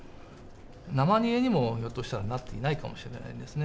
生煮えにもひょっとしたらなっていないかもしれないですね。